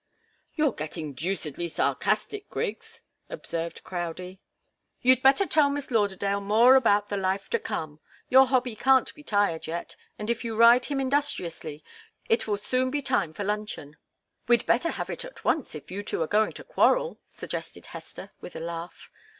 "You're getting deucedly sarcastic, Griggs," observed Crowdie. "You'd better tell Miss Lauderdale more about the life to come. Your hobby can't be tired yet, and if you ride him industriously, it will soon be time for luncheon." "We'd better have it at once if you two are going to quarrel," suggested Hester, with a laugh.